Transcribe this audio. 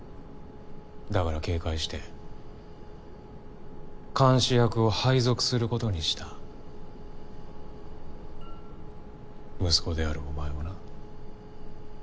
だから警戒して監視役を配属することにした息子であるお前をな。